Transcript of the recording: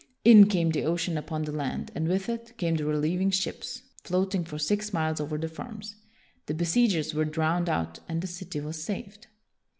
In came the ocean upon the land, and with it came the relieving ships, floating for six miles over the farms. The besiegers were drowned out, and the city was saved.